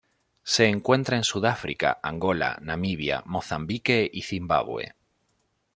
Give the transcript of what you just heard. Se encuentra en Sudáfrica, Angola, Namibia, Mozambique y Zimbabue.